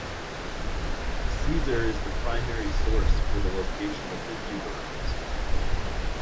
Caesar is the primary source for the location of the Eburones.